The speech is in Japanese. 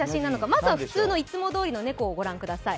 まずは普通のいつもどおりの猫を御覧ください。